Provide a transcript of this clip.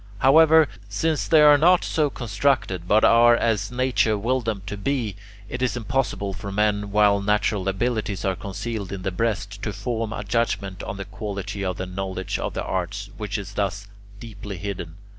However, since they are not so constructed, but are as nature willed them to be, it is impossible for men, while natural abilities are concealed in the breast, to form a judgement on the quality of the knowledge of the arts which is thus deeply hidden.